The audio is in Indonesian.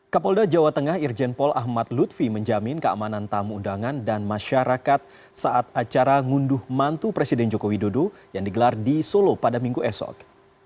kapolda jawa tengah irjen pol ahmad lutfi menjamin keamanan tamu undangan dan masyarakat saat acara ngunduh mantu presiden joko widodo yang digelar di solo pada minggu esok